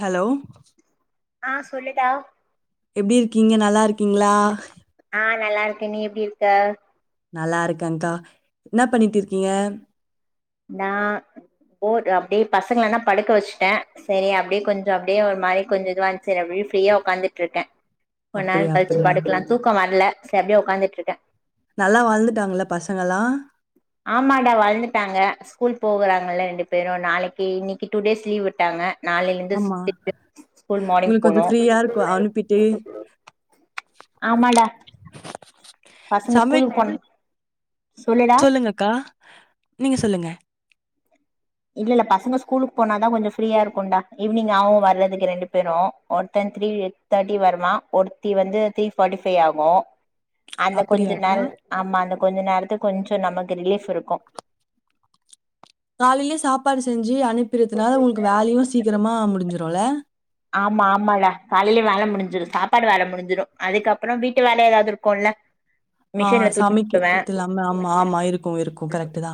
Hello ஆஹ் சொல்லுடா எப்டி இருக்கீங்க நல்லா இருக்கீங்களா ஆஹ் நல்லா இருக்கே நீ எப்டி இருக்க நல்லா இருக்கன்கா இனாப் பண்ணிட்டு இருக்கீங்க நா போது அப்டியே பசங்களனா படுக்க வெச்சுட்டே செரி அப்டியே கொஞ்சொ அப்டியே ஒர் மாரி கொஞ்சோ இதுவந்ச்சு அப்டியே ஃப்ரீயா உக்காந்துட்டு இருக்கே கொள் நாளு அப்படியா கழிச்சு அப்படியா படுக்குலா தூக்கோ வர்ல சர்வியே உக்காந்துட்டுருக்கே நல்லா வாழ்ந்துட்டாங்குளா பசங்கல்லா ஆமாடா வாழ்ந்துட்டாங்க ஸ்கூல் போகுறாங்கல்ல ரெண்டு பேரு நாளைக்கி இன்னைக்கு டூ டேஸ் லீவ் விட்டாங்க நாளில்லிருந்து ஆமா. [unintelligible] ஸ்கூல் மானிங் உங்களுக்கு போனு கொஞ்சம் ஃப்ரீயா இருக்கும் அனுப்பிட்டு. [unintelligible] ஆமாடா பசங்க ஸ்கூல் சமைக் போன் சொல்லுங்கக்கா நீங்கு சொல்லுங்க இல்ல இல்ல பசங்க ஸ்கூலுக்கு போனாதா கொஞ்ஞ ஃப்ரீயா இருக்குன்டா ஈவினி்ங் ஆகு வரதுக்கு ரெண்டு பேரு ஒருத்தன் த்ரீ எட் தேட்டி வருவா ஒருத்தி வந்து த்ரீ ஃபார்ட்டி ஃபைவ் ஆகு அந்த கொஞ்ச அப்படியாக்கா? நாள் ஆமா அந்த கொஞ்ச நேரத்து கொஞ்சு நமக்கு ரிலீஃப் இருக்கு காலையிலே சாப்பாடு செஞ் ஞு அனுப்பிறதுனால உனுக்கு வேலயு சீக்கிரமா முடி ஞ்சுருல ஆமா ஆமாடா காலையிலயே வேல முடிஞ்சிரு சாப்பாடு வேல முடிஞ்சிரு அதுக்கப்புறோ வீட்டு வேல ஏதாவுது இருக்குல்ல ஆஹ் சாமிக்க த்துயிலாம ஆமா ஆமா இருக்கு இருக்கு கரெக்ட்டுதா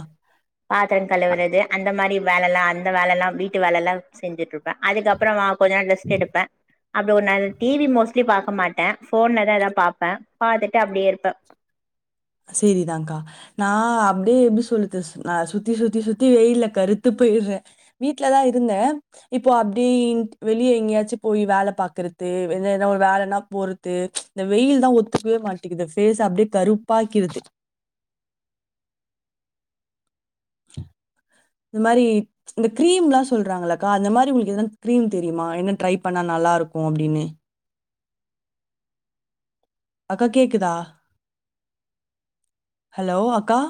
வேல எல்லா அந்த வேல எல்லா வீட்டு வேலல்லா செஞ்சுட்டு இரு ப்பே அதுக் அப்புறமா லெஸ்ட் எடுப்பே அபோ நல் டிவி மோஸ் ட்லி பாக்க மாட்டே போன்லதா எதோ பாப்பே பாத்துட்டு அப்டியே இருப்பே சரிதான்கா நா அப்டியே எப்டி சொல்லுது நா சுத்தி சுத்தி சுத்தி வெயில்ல கருத்து போயிறே வீட்டுலதா இருந்தே இப்போ அப்டியிட்டு வெளியே எங்கியேச்சு போய் வேல பாக்குறத்து இல்லைனா ஒரு வேலனா போறது இந்த வெயில் தா ஒத்துக்குவே மாட்டிக்குது பேஸ் அப்டியே கருப் பாக்கிறிது [inaudible] இந் மாரி இந்த கிரீம் எல்லா சொல்றாங்குளக்கா அந்த மாரி உங்குளுக் எதன் கிரீம் தெரியுமா என்ன ட்ரை பண்ணா நல்லா இருக்கு அப்டின்னு அக்கா கேக்குதா ஹலோ அக்கா